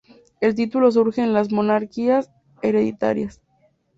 El título surge en las monarquías hereditarias.